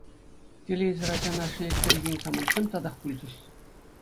Телейсӗр ачана шеллеттерекен самантсем татах пулчӗҫ.